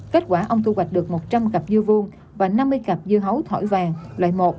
kết quả ông thu hoạch được một trăm linh cặp dư vuông và năm mươi cặp dưa hấu thỏi vàng loại một